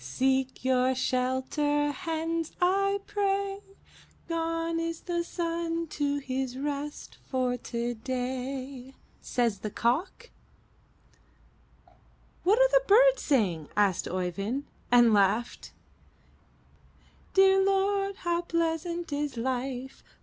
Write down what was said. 'Seek your shelter, hens, I pray. Gone is the sun to his rest for today,' Says the Cock.'" "What are the birds saying?" asked Oeyvind and laughed. '"Dear Lord, how pleasant is life.